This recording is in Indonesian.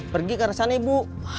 pergi ke sana ibu